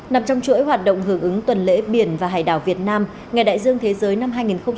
nằm trong chuỗi hoạt động hưởng ứng tuần lễ biển và hải đảo việt nam ngày đại dương thế giới năm hai nghìn hai mươi